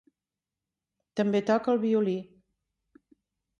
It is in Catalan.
També toca el violí.